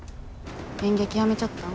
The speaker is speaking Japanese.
演劇やめちゃったん？